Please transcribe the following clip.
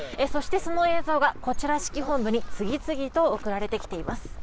そして、その映像がこちら、指揮本部に次々と送られてきています。